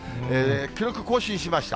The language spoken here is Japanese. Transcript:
記録更新しました。